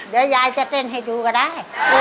เดี๋ยวยายจะเต้นให้ดูก็ได้